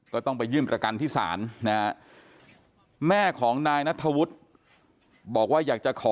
ก็ต้องไปยื่นประกันที่ศาลนะฮะแม่ของนายนัทธวุฒิบอกว่าอยากจะขอ